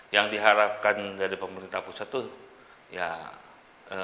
yang diharapkan dari pemerintah pusat itu ya